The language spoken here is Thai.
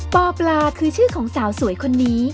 ปลาคือชื่อของสาวสวยคนนี้